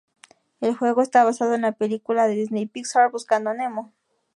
El juego está basado en la película de Disney-Pixar "Buscando a Nemo".